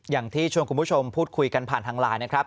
อย่างที่ชวนคุณผู้ชมพูดคุยกันผ่านทางด้านหลาย